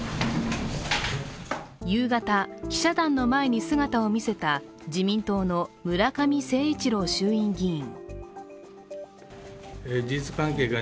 夕方、記者団の前に姿を見せた自民党の村上誠一郎衆院議員。